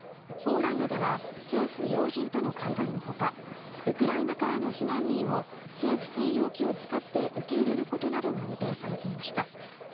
ポーランドでは政府要人との会談の他ウクライナからの避難民を政府専用機を使って受け入れることなどが予定されていました。